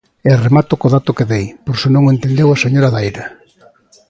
E remato co dato que dei, por se non o entendeu a señora Daira.